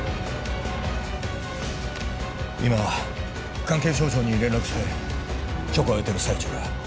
今関係省庁に連絡して許可を得ている最中だ